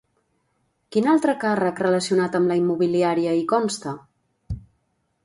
Quin altre càrrec relacionat amb la immobiliària hi consta?